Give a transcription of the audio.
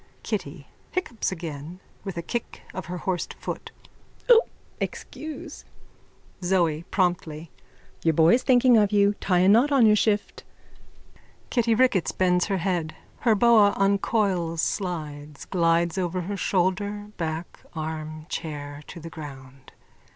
_ KITTY: (Hiccups again with a kick of her horsed foot.) O, excuse! ZOE: (Promptly.) Your boy's thinking of you. Tie a knot on your shift. _(Kitty Ricketts bends her head. Her boa uncoils, slides, glides over her shoulder, back, arm, chair to the ground.